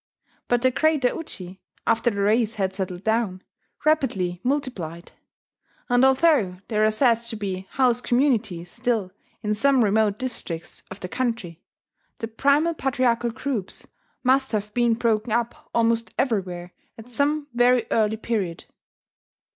But the greater uji, after the race had settled down, rapidly multiplied; and although there are said to be house communities still in some remote districts of the country, the primal patriarchal groups must have been broken up almost everywhere at some very early period.